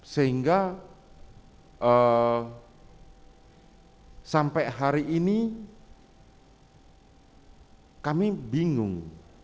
sehingga sampai hari ini kami bingung